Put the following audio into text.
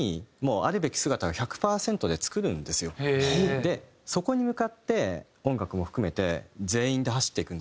でそこに向かって音楽も含めて全員で走っていくんですよね。